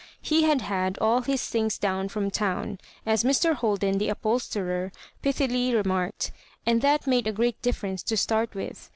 He had had all his things down from town, as Mr. Holden, the upholsterer, pithily remarked — and that made a great difference to start with.